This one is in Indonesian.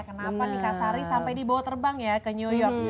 kenapa nih kak sari sampai dibawa terbang ya ke new york